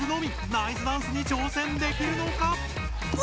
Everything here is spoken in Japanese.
ナイスダンスに挑戦できるのか？